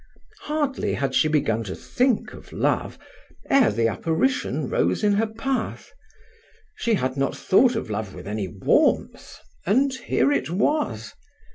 Hardly had she begun to think of love ere the apparition arose in her path. She had not thought of love with any warmth, and here it was.